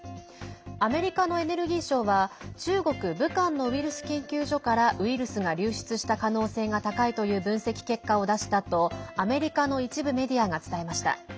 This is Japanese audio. アメリカのエネルギー省は中国・武漢のウイルス研究所からウイルスが流出した可能性が高いという分析結果を出したとアメリカの一部メディアが伝えました。